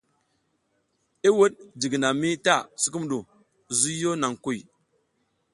I wuɗ jiginami ta sukumuŋ, zuyo naŋ kuy.